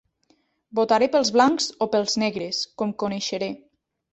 Votaré pels blancs o pels negres, com coneixeré.